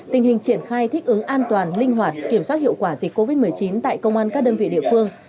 tình hình triển khai thích ứng an toàn linh hoạt kiểm soát hiệu quả dịch covid một mươi chín tại công an các đơn vị địa phương